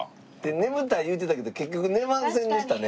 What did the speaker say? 「眠たい」言うてたけど結局寝ませんでしたね。